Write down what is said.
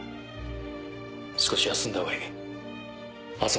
少し休んだほうがいい明日